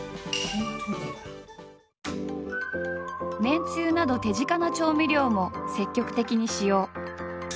めんつゆなど手近な調味料も積極的に使用。